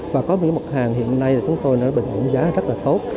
và có những mặt hàng hiện nay là chúng tôi đã bình ổn giá rất là tốt